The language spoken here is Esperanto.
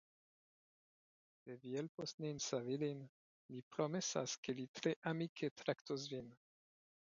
Se vi helpos nin savi lin mi promesas ke li tre amike traktos vin.